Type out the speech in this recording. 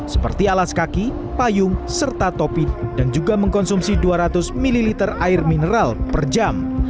seperti alas kaki payung serta topi dan juga mengkonsumsi dua ratus ml air mineral per jam